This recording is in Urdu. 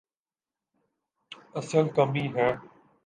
اصل کمی ہے۔